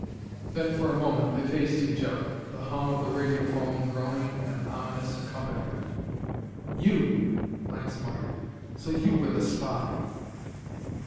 Then, for a moment, they faced each other, the hum of the radiophone droning an ominous accompaniment. "You!" Lance muttered. "So you were the spy!"